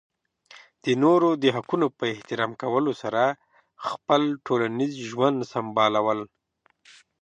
د نورو د حقونو په احترام کولو سره خپل ټولنیز ژوند سمبالول.